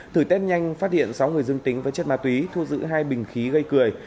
thử test nhanh phát hiện sáu người dương tính với chất mà tùy thu giữ hai bình khí gây cười